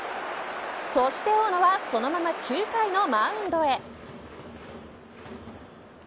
そして大野はそのまま９回のマウンドへ。